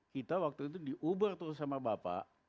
kita waktu itu di uber terus sama bapak